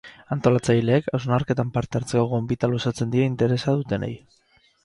Antolatzaileek hausnarketan parte hartzeko gonbita luzatzen die interesa dutenei.